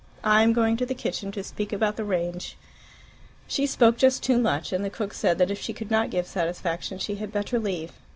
I am going to the kitchen, to speak about the range." She spoke just too much, and the cook said that if she could not give satisfaction she had better leave.